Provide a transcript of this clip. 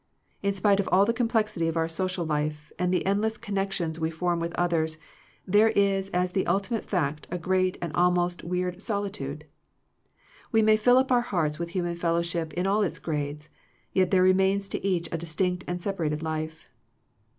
In spite of all the complexity of our social life, and the endless connec tions we form with others, there is as the ultimate fact a great and almost weird solitude. We may fill up our hearts with human fellowship in all its grades, yet there remains to each a distinct and sep arated life.